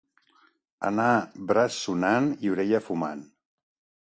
Anar braç sonant i orella fumant.